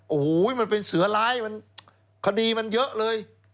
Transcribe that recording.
โอ้โหมันเป็นเสือร้ายมันคดีมันเยอะเลย